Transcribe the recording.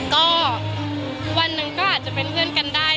ก็วันหนึ่งก็อาจจะเป็นเพื่อนกันได้